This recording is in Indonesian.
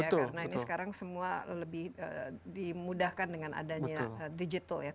karena ini sekarang semua lebih dimudahkan dengan adanya digital ya